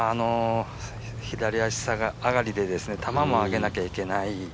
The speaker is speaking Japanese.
左足上がりで球も上げなきゃいけない。